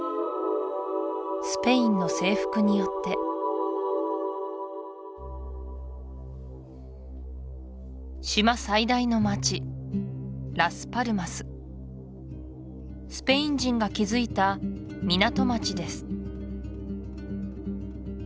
スペインの征服によって島最大の町ラス・パルマススペイン人が築いた港町です